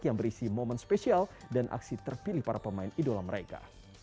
yang berisi momen spesial dan aksi terpilih para pemain idola mereka